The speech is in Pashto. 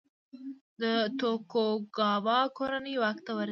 د توکوګاوا کورنۍ واک ته ورسېده.